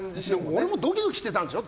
俺もドキドキしてたんだよ。